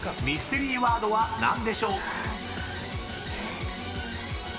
［ミステリーワードは何でしょう？］